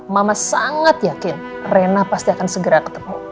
mama sangat yakin rena pasti akan segera ketemu